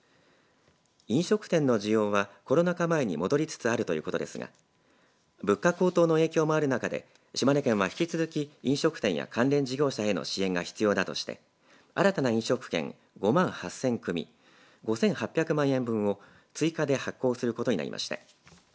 飲食店の需要はコロナ禍前に戻りつつあるということですが物価高騰の影響もあるなかで島根県は引き続き飲食店や関連事業者への支援が必要だとして新たな飲食券５万８０００組５８００万円分を追加で発行することになりました。